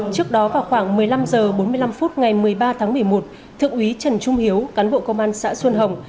trước đó vào khoảng một mươi năm h bốn mươi năm phút ngày một mươi ba tháng một mươi một thượng úy trần trung hiếu cán bộ công an xã xuân hồng